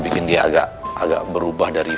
ya kita pergi